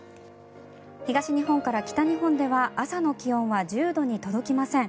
東日本から北日本では朝の気温は１０度に届きません。